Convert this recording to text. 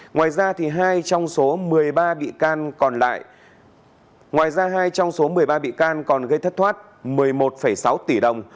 ngoài ra thì hai trong số một mươi ba bị can còn gây thất thoát một mươi một sáu tỷ đồng